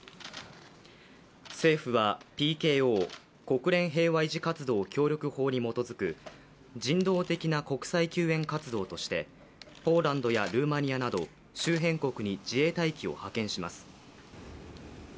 政府はＰＫＯ＝国連平和維持活動協力法に基づく人道的な国際救援活動としてポーランドやルーマニアなど周辺国に自衛隊機を派遣します。